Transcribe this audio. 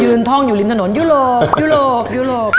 ยืนทองอยู่ริมถนนยุโรปยุโรป